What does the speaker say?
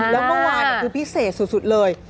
แล้วเมื่อวานคือพิเศษสุดเลย